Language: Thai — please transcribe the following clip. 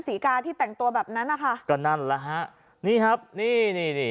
ศรีกาที่แต่งตัวแบบนั้นนะคะก็นั่นแหละฮะนี่ครับนี่นี่